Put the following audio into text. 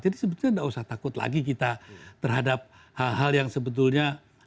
jadi sebetulnya gak usah takut lagi kita terhadap hal hal yang sebetulnya